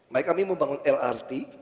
maka kami membangun lrt